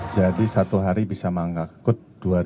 jadi satu hari bisa mengangkut dua lima ratus